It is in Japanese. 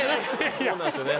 そうなんですよね。